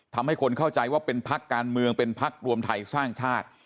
ทำให้คนเข้าใจว่าเป็นพักการเมืองเป็นพักรวมไทยสร้างชาติ